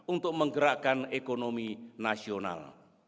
untuk menggerakkan ekonomi nasional